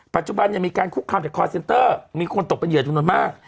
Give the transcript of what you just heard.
ปัจจุบันมีการคุกคามจากคอร์เซนเตอร์มีคนตกเป็นเหยื่อจำนวนมาก